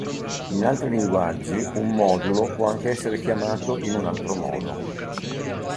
In altri linguaggi un modulo può anche essere chiamato in un altro modo.